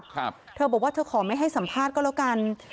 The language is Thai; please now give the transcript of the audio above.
ครับเธอบอกว่าเธอขอไม่ให้สัมภาษณ์ก็แล้วกัน